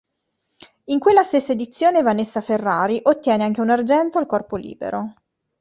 In quella stessa edizione Vanessa Ferrari ottiene anche un argento al corpo libero.